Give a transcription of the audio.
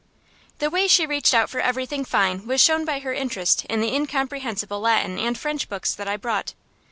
The way she reached out for everything fine was shown by her interest in the incomprehensible Latin and French books that I brought.